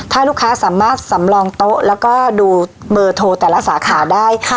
ถ้าลูกค้าสามารถสำรองโต๊ะแล้วก็ดูเบอร์โทรแต่ละสาขาได้